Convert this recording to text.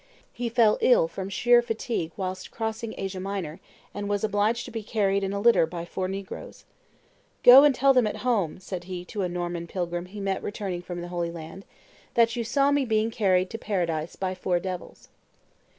He fell ill from sheer fatigue whilst crossing Asia Minor, and was obliged to be carried in a litter by four negroes. "Go and tell them at home," said he to a Norman pilgrim he met returning from the Holy Land, "that you saw me being carried to Paradise by four devils."